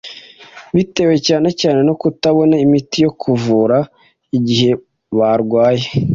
bitewe cyane cyane no kutabona imiti yo kubavura igihe barwaye